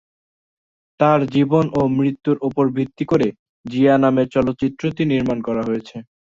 তার জীবন ও মৃত্যুর উপর ভিত্তি করে "জিয়া" নামের চলচ্চিত্রটি নির্মাণ করা হয়েছে।